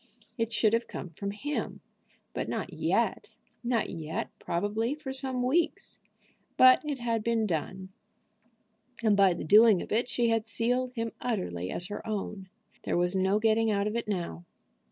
It should have come from him, but not yet; not yet, probably, for some weeks. But it had been done, and by the doing of it she had sealed him utterly as her own. There was no getting out of it now.